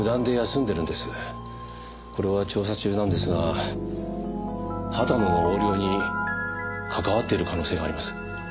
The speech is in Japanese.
これは調査中なんですが畑野の横領に関わっている可能性があります。